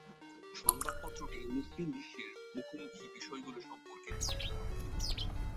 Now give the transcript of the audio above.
সংবাদপত্রটি মুসলিম বিশ্বের মুখোমুখি বিষয়গুলি সম্পর্কে লিখেছিল।